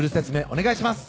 お願いします